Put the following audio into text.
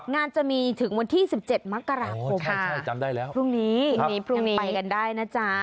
งานจะมีถึงวันที่๑๗มกราภูมิค่ะพรุ่งนี้ยังไปกันได้นะจ๊ะ